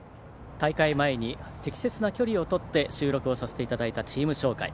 大会前に適切な距離をとって収録させていただいたチーム紹介。